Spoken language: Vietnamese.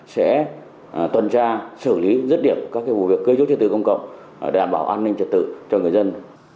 sẽ tuần tra xử lý rất điểm các vụ việc gây rút trật tự công cộng để đảm bảo an ninh trật tự cho người dân